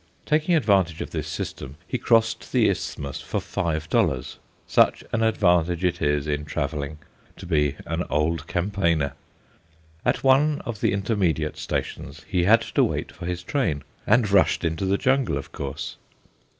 Taking advantage of this system, he crossed the isthmus for five dollars such an advantage it is in travelling to be an old campaigner! At one of the intermediate stations he had to wait for his train, and rushed into the jungle of course.